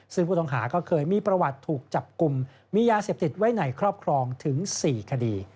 ซึ่งผู้ต้องหาก็เคยมีประวัติถูกจับกลุ่มมียาเสพติดไว้ในครอบครองถึง๔คดี